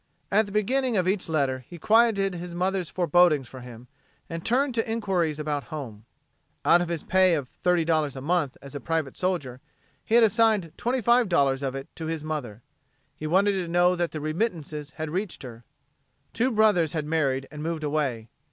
At the beginning of each letter he quieted his mother's forebodings for him, and he turned to inquiries about home. Out of his pay of $30 a month as a private soldier he had assigned $25 of it to his mother. He wanted to know that the remittances had reached her. Two brothers had married and moved away.